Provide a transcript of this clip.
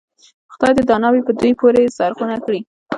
خدای دې دا ناوې په دوی پورې زرغونه کړي.